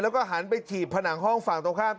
แล้วก็หันไปถีบผนังห้องฝั่งตรงข้าม